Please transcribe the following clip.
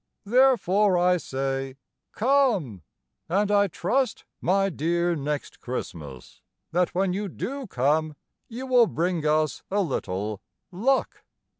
Therefore, I say "Come," And I trust, my dear Next Christmas, That when you do come You will bring us a little luck.